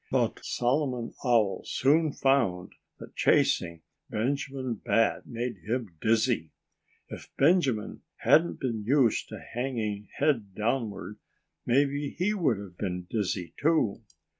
But Solomon Owl soon found that chasing Benjamin Bat made him dizzy. If Benjamin hadn't been used to hanging head downward, maybe he would have been dizzy, too.